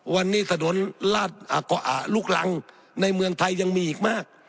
วันนี้ถนนลาดลูกรังในเมืองไทยยังมีอีกมาก